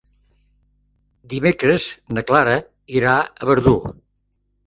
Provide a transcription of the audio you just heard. Dimecres na Clara irà a Verdú.